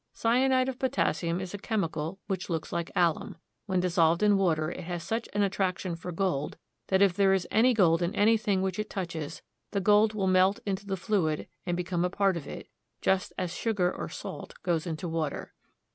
Cyanide of potassium is a chemical which looks like alum. When dissolved in water it has such an attraction for gold that if there is any gold in anything which it touches, the gold will melt into the fluid and become a part of it, just as sugar or salt goes into water.